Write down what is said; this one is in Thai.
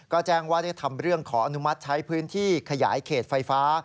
ก็แจ้งว่าได้ทำเรื่องขออนุมัติใช้พื้นที่ขยายเขตไฟฟ้า